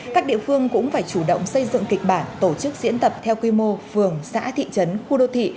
các địa phương cũng phải chủ động xây dựng kịch bản tổ chức diễn tập theo quy mô phường xã thị trấn khu đô thị